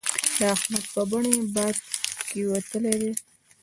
د احمد په بنۍ باد کېوتلی دی.